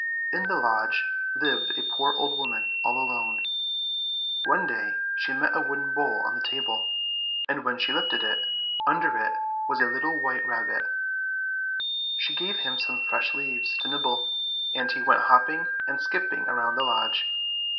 In the lodge lived a poor old woman all alone. One day she set a wooden bowl on the table, LITTLE WHITE RABBIT 279 and when she lifted it, under it was a little white Rabbit. She gave him some fresh leaves to nib ble, and he went hopping and skipping around the lodge.